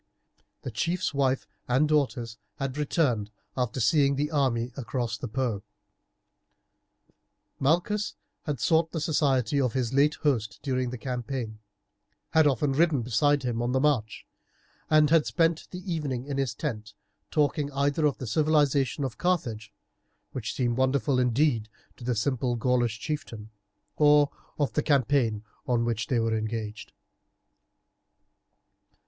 The chief's wife and daughters had returned after seeing the army across the Po. Malchus had sought the society of his late host during the campaign, had often ridden beside him on the march, and had spent the evening in his tent talking either of the civilization of Carthage, which seemed wonderful indeed to the simple Gaulish chieftain, or of the campaign on which they were engaged.